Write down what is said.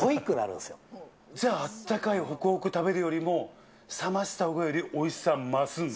じゃあ、あったかいほくほく食べるよりも、冷ましたほうが、おいしさ増すんだ。